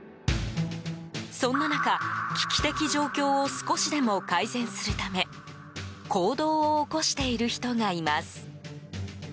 そんな中、危機的状況を少しでも改善するため行動を起こしている人がいます。